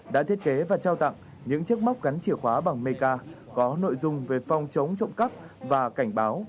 đã thiết kế và trao tặng những chiếc móc gắn chìa khóa bằng mek có nội dung về phòng chống trộm cắp và cảnh báo